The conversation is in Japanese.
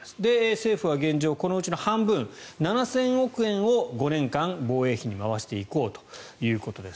政府は現状、このうちの半分７０００億円を５年間、防衛費に回していこうということです。